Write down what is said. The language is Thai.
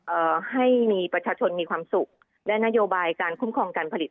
เอ่อให้มีประชาชนมีความสุขและนโยบายการคุ้มครองการผลิต